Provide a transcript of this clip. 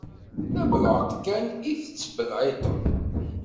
D abelεeṭ kan i tettbelεiṭem.